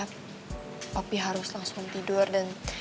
tapi harus langsung tidur dan